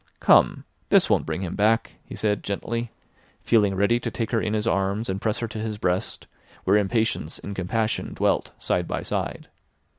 "Come. This won't bring him back," he said gently, feeling ready to take her in his arms and press her to his breast, where impatience and compassion dwelt side by side.